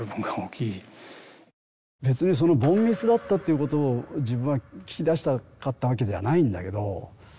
別に凡ミスだったっていうことを自分は聞き出したかったわけではないんだけど。